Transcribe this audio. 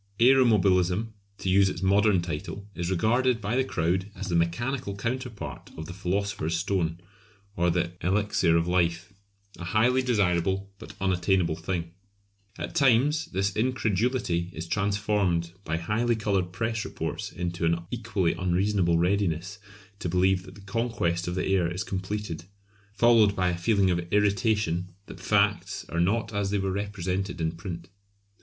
Aeromobilism to use its most modern title is regarded by the crowd as the mechanical counterpart of the Philosopher's Stone or the Elixir of Life; a highly desirable but unattainable thing. At times this incredulity is transformed by highly coloured press reports into an equally unreasonable readiness to believe that the conquest of the air is completed, followed by a feeling of irritation that facts are not as they were represented in print.